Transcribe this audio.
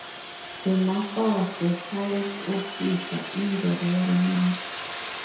The Master was the highest officer in the Royal Mint.